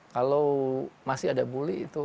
kalau masih ada bully